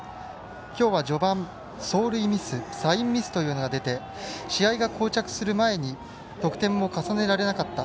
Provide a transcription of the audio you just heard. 今日は序盤走塁ミスサインミスが出て試合がこう着する前に得点も重ねられなかった。